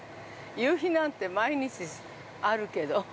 夕日なんて、毎日あるけど。